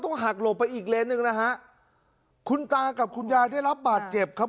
ท่งหักโหลปไปอีกเลชนึงหน่อยฮะคุณตากับคุณยายได้รับบาตรเจ็บครับ